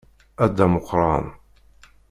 A Dda Meqqran.